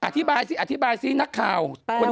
อธิบายสิอธิบายสินักข่าว